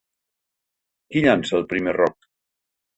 Qui llança el primer roc?